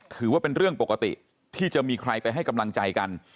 ถือว่าเป็นเรื่องปกติที่จะมีใครไปให้กำลังใจกัน